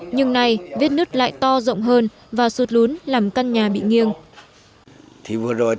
nhưng nay vết nứt lại to rộng hơn và sụt lún làm căn nhà bị nghiêng